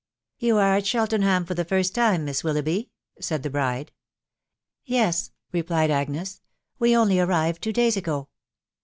" You are at Cheltenham for the first time, Miss Wil loughby ?" said the bride. " Yes," replied Agnes ;" we only arrived two days ago."